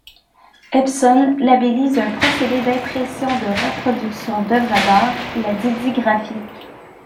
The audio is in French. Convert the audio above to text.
Epson labellise un procédé d'impression de reproductions d'œuvres d'art, la Digigraphie.